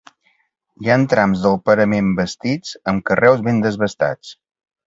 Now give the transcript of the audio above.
Hi han trams del parament bastits amb carreus ben desbastats.